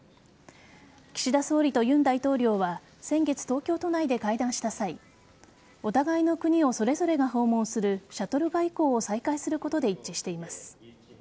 岸田総理と尹大統領は先月、東京都内で会談した際お互いの国をそれぞれが訪問するシャトル外交を再開することで一致しています。